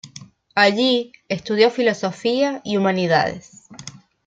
Allí estudió Filosofía y Humanidades.